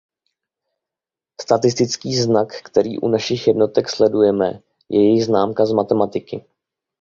Statistický znak který u našich jednotek sledujeme je jejich známka z matematiky.